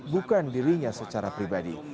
bukan dirinya secara pribadi